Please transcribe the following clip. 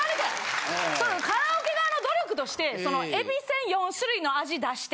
カラオケ側の努力として「えびせん４種類の味出して」。